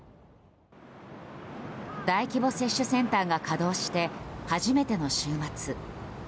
大規模接種センターが稼働して初めての週末。